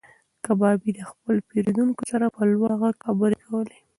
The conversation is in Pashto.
کبابي د خپل پیرودونکي سره په لوړ غږ خبرې کولې.